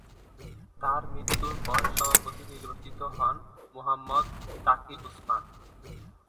তার মৃত্যুর পর সভাপতি নির্বাচিত হন মুহাম্মদ তাকি উসমানি।